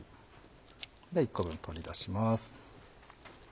１個分取り出します。